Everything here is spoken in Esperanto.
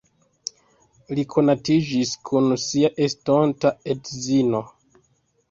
Li konatiĝis kun sia estonta edzino.